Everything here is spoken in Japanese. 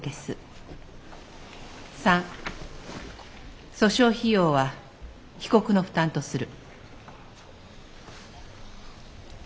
三訴訟費用は被告の負担とする」。